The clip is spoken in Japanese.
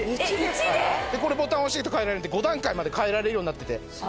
これボタン押していくと変えられて５段階まで変えられるようになってて。